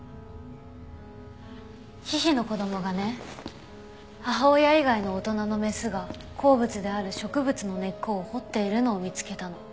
ヒヒの子供がね母親以外の大人のメスが好物である植物の根っこを掘っているのを見つけたの。